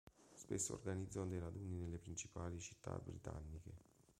Spesso organizzano dei raduni nelle principali città britanniche.